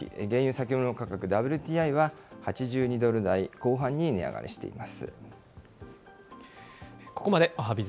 原油先物価格・ＷＴＩは、８５ドル台後半に値上がりしています。